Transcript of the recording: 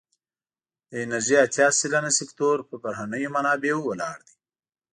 د انرژی اتیا سلنه سکتور پر بهرنیو منابعو ولاړ دی.